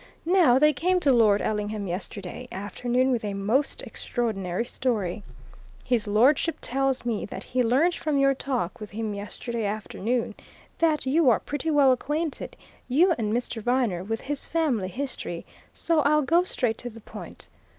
Now, they came to Lord Ellingham yesterday afternoon with a most extraordinary story. His lordship tells me that he learned from your talk with him yesterday afternoon that you are pretty well acquainted, you and Mr. Viner, with his family history, so I'll go straight to the point.